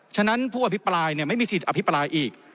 ฉะนั้นผู้อภิปรายไม่มีสิทธิอภิปรายอีก